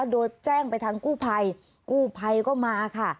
โดยแจ้งไปทางกู้ภัยกู้ภัยก็มาค่ะ